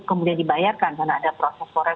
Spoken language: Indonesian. kemudian dibayarkan karena ada proses forest